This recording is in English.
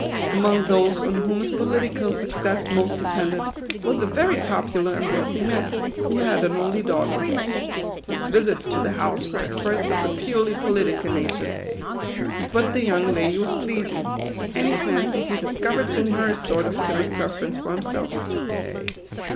Among those on whom his political success most depended, was a very popular and wealthy man, who had an only daughter. His visits to the house were at first of a purely political nature ; but the young lady was pleasing, and he fancied he discovered in her a sort of timid preference for himself.